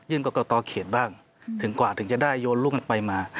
กรกตเขตบ้างถึงกว่าถึงจะได้โยนลูกลงไปมา